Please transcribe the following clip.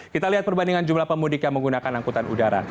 kita lihat perbandingan jumlah pemudik yang menggunakan angkutan udara